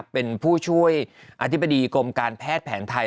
เป็นผู้ช่วยอธิบดีกรมการแพทย์แผนไทย